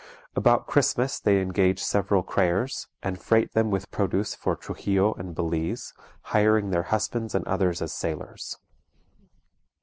About Christmas they engage several creers, and freight them with produce for Truxillo and Belize, hiring their husbands and others as sailors.